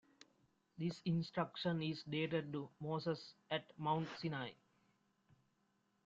This instruction is dated to Moses at Mount Sinai.